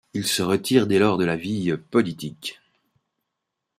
Il se retire dès lors de la vie politique.